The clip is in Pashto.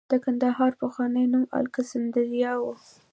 د کندهار پخوانی نوم الکسندریا و